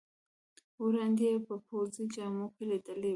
وړاندې یې په پوځي جامو کې لیدلی وې.